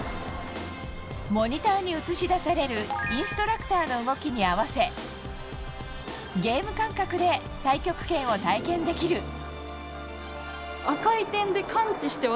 モニターに映し出されるインストラクターの動きに合わせゲーム感覚で太極拳を体験できる。